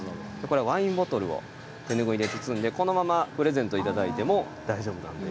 ワインボトルを手拭いで包んでこのままプレゼントしていただいても大丈夫なんです。